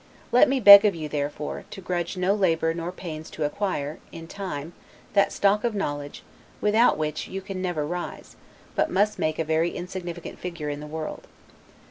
Let me beg of you, therefore, to grudge no labor nor pains to acquire, in time, that stock of knowledge, without which you never can rise, but must make a very insignificant figure in the world.